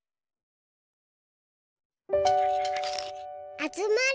あつまれ。